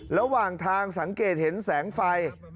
ระหว่างทางสังเกตเห็นแสงไฟ